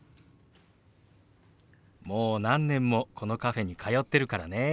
もう何年もこのカフェに通ってるからね。